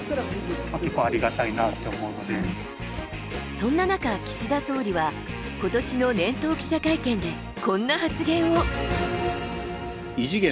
そんな中、岸田総理は今年の年頭記者会見で、こんな発言を。